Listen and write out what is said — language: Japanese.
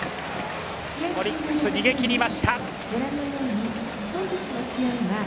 オリックス、逃げ切りました。